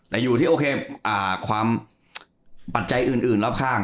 แต่อยู่ที่โอเคความปัจจัยอื่นรอบข้าง